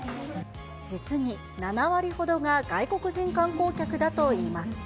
実に７割ほどが外国人観光客だといいます。